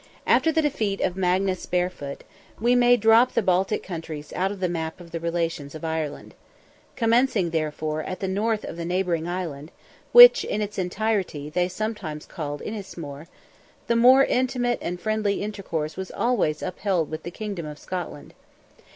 After the defeat of Magnus Barefoot, we may drop the Baltic countries out of the map of the relations of Ireland. Commencing, therefore, at the north of the neighbouring island—which, in its entirety, they sometimes called Inismore—the most intimate and friendly intercourse was always upheld with the kingdom of Scotland.